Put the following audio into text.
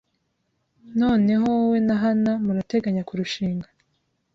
Noneho wowe na Hanna murateganya kurushinga?